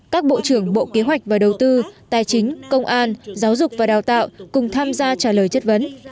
các bộ trưởng bộ kế hoạch và đầu tư tài chính công an giáo dục và đào tạo cùng tham gia trả lời chất vấn